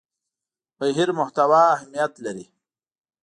بهیر محتوا اهمیت لري.